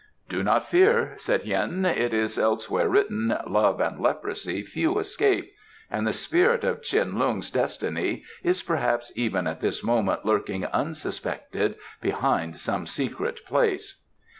"Do not fear," said Hien. "It is elsewhere written, 'Love and leprosy few escape,' and the spirit of Tsin Lung's destiny is perhaps even at this moment lurking unsuspected behind some secret place."